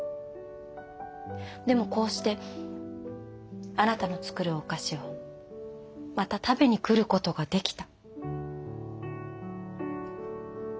でもこうしてあなたの作るお菓子をまた食べに来ることができた。